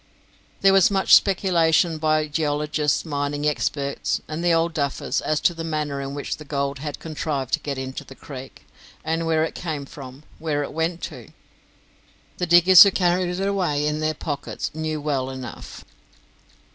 There was much speculation by geologists, mining experts, and old duffers as to the manner in which the gold had contrived to get into the creek, and where it came from; where it went to, the diggers who carried it away in their pockets knew well enough.